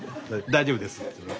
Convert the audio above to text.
大丈夫です。